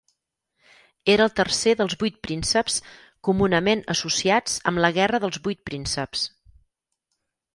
Era el tercer dels vuit prínceps comunament associats amb la Guerra dels Vuit Prínceps.